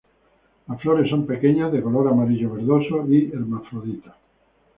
Las flores son pequeñas de color amarillo verdoso y hermafroditas.